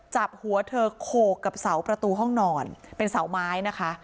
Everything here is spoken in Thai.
จับหัวเธอโขกกับเสาประตูห้องนอนเป็นเสาไม้นะคะ